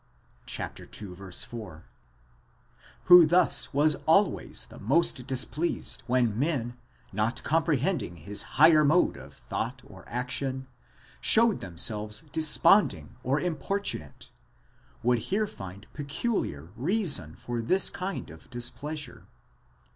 (ii. 4)—who thus was always the most displeased when men, not comprehending his higher mode of thought or action, showed themselves desponding or importunate,—would here find peculiar reason for this kind of displeasure.